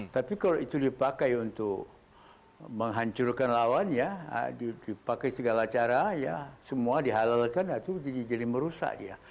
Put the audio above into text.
tapi kalau itu dipakai untuk menghancurkan lawan ya dipakai segala cara ya semua dihalalkan itu jadi merusak dia